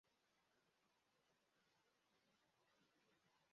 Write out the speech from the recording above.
Bose barimo gutegura imipira yabo yumuyaga ishyushye nimugoroba